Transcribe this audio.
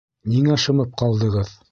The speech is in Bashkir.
— Ниңә шымып ҡалдығыҙ?